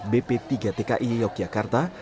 bp tiga tki yogyakarta